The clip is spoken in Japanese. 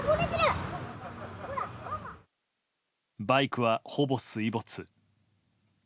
バイクは、ほぼ水没。